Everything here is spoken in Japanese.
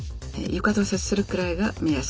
床と接するくらいが目安です。